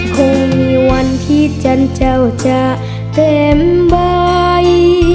คงมีวันที่จันเจ้าจะเต็มใบ